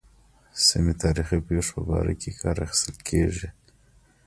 سیمې تاریخي پېښو په باره کې کار اخیستل کېږي.